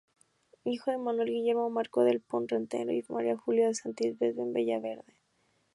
Hijo de Manuel Guillermo Marco del Pont Ranero y Maria Julia de Santisteban Villaverde.